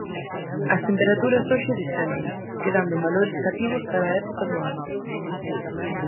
As temperaturas hoxe descenden, quedando en valores cativos para a época do ano.